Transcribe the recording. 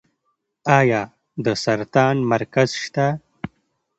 آیا د سرطان مرکز شته؟